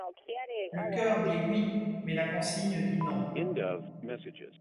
Le cœur dit oui, mais la consigne dit non.